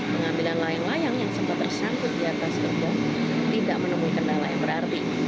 pengambilan layang layang yang sempat tersangkut di atas gerbang tidak menemukan nalai berarti